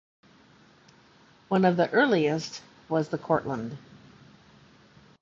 One of the earliest was the 'Cortland'.